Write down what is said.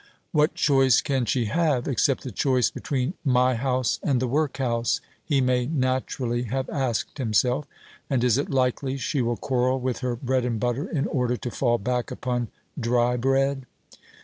"What choice can she have, except the choice between my house and the workhouse?" he may naturally have asked himself; "and is it likely she will quarrel with her bread and butter in order to fall back upon dry bread?"